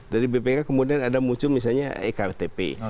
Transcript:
dari bpk kemudian ada muncul misalnya ektp